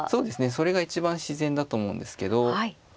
それが一番自然だと思うんですけど。